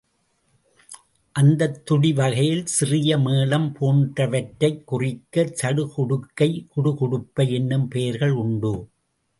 அந்தத் துடி வகையில் சிறிய மேளம் போன்றவற்றைக் குறிக்க சடுகுடுக்கை, குடுகுடுப்பை என்னும் பெயர்கள் உண்டு.